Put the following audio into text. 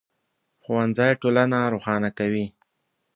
ښوونځی ټولنه روښانه کوي